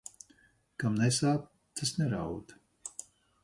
Kam nesāp, tas neraud.